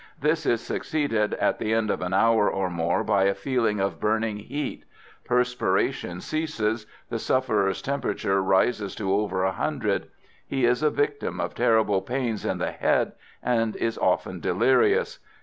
This is succeeded at the end of an hour or more by a feeling of burning heat; perspiration ceases, the sufferer's temperature rises to over a hundred; he is a victim of terrible pains in the head, and is often delirious.